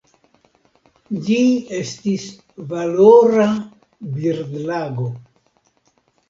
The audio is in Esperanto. Ĝi estis valora birdlago.